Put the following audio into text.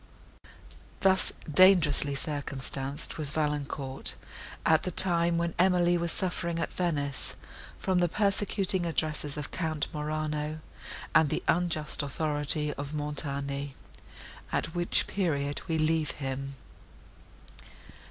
Thus dangerously circumstanced was Valancourt, at the time, when Emily was suffering at Venice, from the persecuting addresses of Count Morano, and the unjust authority of Montoni; at which period we leave him.